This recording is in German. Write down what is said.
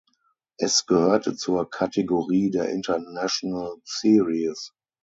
Es gehörte zur Kategorie der International Series.